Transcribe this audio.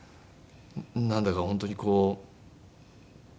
なんだか本当にこう。